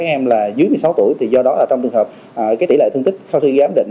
em là dưới một mươi sáu tuổi thì do đó là trong trường hợp tỷ lệ thương tích sau khi giám định